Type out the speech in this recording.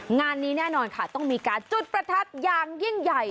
งานนี้แน่นอนค่ะต้องมีการจุดประทัดอย่างยิ่งใหญ่